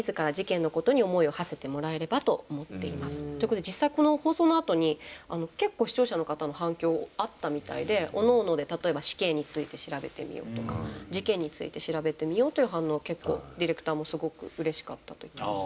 ということで実際この放送のあとに結構視聴者の方の反響あったみたいでおのおので例えば死刑について調べてみようとか事件について調べてみようという反応結構ディレクターもすごくうれしかったと。